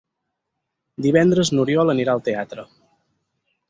Divendres n'Oriol anirà al teatre.